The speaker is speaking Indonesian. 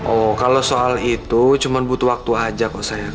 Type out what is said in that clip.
oh kalau soal itu cuma butuh waktu aja kok saya